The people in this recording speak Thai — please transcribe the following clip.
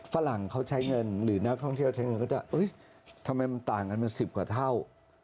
ฝรั่งเขาใช้เงินหรือนักท่องเที่ยวใช้เงินก็จะทำไมมันต่างกันเป็น๑๐กว่าเท่า